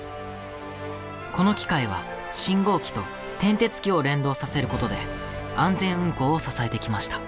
この機械は信号機と転てつ機を連動させることで安全運行を支えてきました。